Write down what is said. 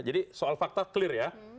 jadi soal fakta clear ya